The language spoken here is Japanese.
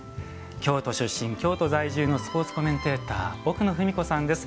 京都出身、京都在住のスポーツコメンテーター奥野史子さんです。